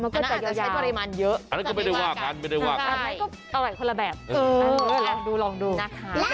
มันก็จะยาวอันนั้นก็ไม่ได้ว่ากันอันนั้นก็เอาแบบคนละแบบเออดูลองดูนะคะ